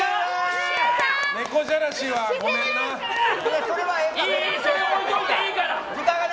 猫じゃらしはごめんな。